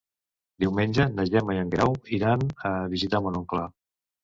Diumenge na Gemma i en Guerau aniran a visitar mon oncle.